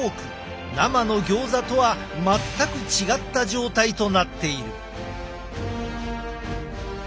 生のギョーザとは全く違った状態となっている。